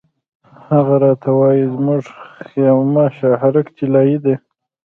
هغه راته وایي زموږ خیمه شهرک طلایي دی.